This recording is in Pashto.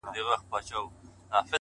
د سترگو اوښکي دي خوړلي گراني ‘